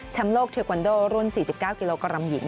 โลกเทควันโดรุ่น๔๙กิโลกรัมหญิง